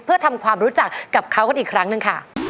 เพื่อทำความรู้จักกับเขากันอีกครั้งหนึ่งค่ะ